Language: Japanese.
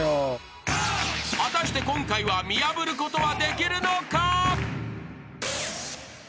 ［果たして今回は見破ることはできるのか？］